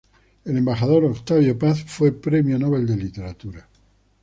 El embajador Octavio Paz fue Premio Nobel de Literatura.